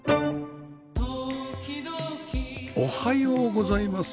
おはようございます。